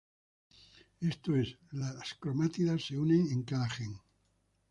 Esto es, las cromátidas se unen en cada gen.